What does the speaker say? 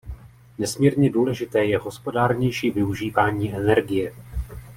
Nesmírně důležité je hospodárnější využívání energie.